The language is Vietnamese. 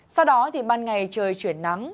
sau đó thì ban ngày trời chuyển nắng